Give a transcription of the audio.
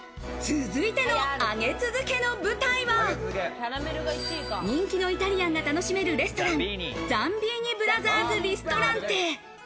続いての上げ続けの舞台は、人気のイタリアンが楽しめるレストラン、ザンビーニ・ブラザーズ・リストランテ。